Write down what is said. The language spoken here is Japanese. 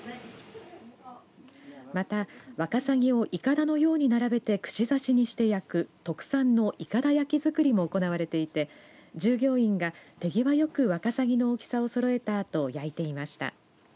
また、わかさぎをいかだのように並べて串刺しにして焼く特産のいかだ焼き作りも行われていて従業員が手際よくわかさぎの大きさをそろえたあと焼いていました。